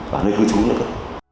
và nơi cư trú nữa